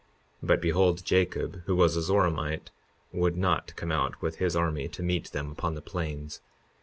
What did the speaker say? But behold, Jacob, who was a Zoramite, would not come out with his army to meet them upon the plains.